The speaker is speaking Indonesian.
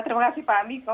terima kasih pak miko